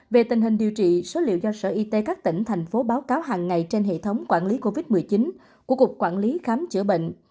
về tình hình điều trị số liệu do sở y tế các tỉnh thành phố báo cáo hàng ngày trên hệ thống quản lý covid một mươi chín của cục quản lý khám chữa bệnh